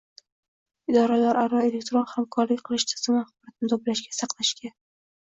Idoralararo elektron hamkorlik qilish tizimi axborotni to‘plashga, saqlashga